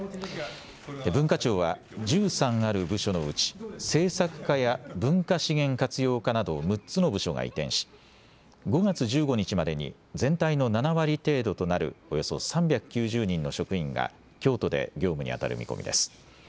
文化庁は、１３ある部署のうち、政策課や文化資源活用課など、６つの部署が移転し、５月１５日までに全体の７割程度となるおよそ３９０人の職員が京都で業務に当たる見込みです。